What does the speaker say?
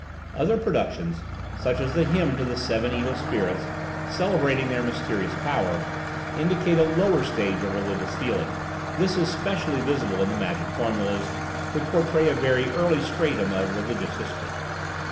Other productions, such as the hymn to the seven evil spirits (celebrating their mysterious power), indicate a lower stage of religious feeling; this is specially visible in the magic formulas, which portray a very early stratum of religious history.